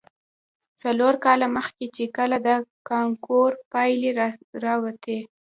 څلور کاله مخې، چې کله د کانکور پايلې راوتې.